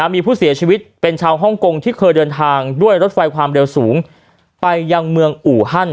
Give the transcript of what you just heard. มีผู้เสียชีวิตเป็นชาวฮ่องกงที่เคยเดินทางด้วยรถไฟความเร็วสูงไปยังเมืองอูฮัน